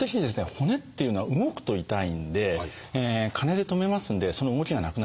骨っていうのは動くと痛いんで金で留めますんでその動きがなくなります。